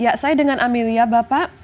ya saya dengan amelia bapak